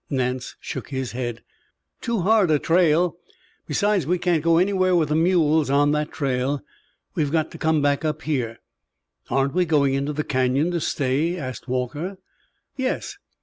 Nance shook his head. "Too hard a trail. Besides we can't get anywhere with the mules on that trail. We've got to come back up here." "Aren't we going into the Canyon to stay?" asked Walter. "Yes.